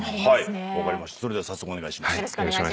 それでは早速お願いします。